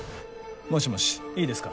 もしもしいいですか。